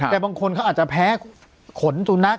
แต่บางคนเขาอาจจะแพ้ขนสุนัข